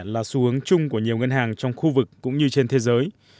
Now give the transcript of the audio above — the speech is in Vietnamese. là xu hướng chung của nhiều ngân hàng trong khu vực cũng như trên thế giới